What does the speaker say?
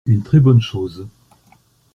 Une très bonne chose.